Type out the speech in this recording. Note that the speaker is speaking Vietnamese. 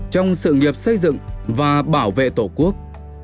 trong sự nghiệp xây dựng và bảo vệ tổ quốc